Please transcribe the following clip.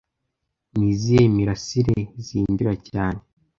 Ni izihe mirasire zinjira cyane